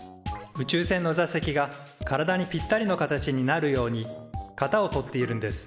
宇宙船の座席が体にぴったりの形になるように型を取っているんです。